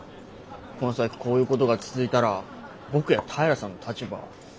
この先こういうことが続いたら僕や平さんの立場は。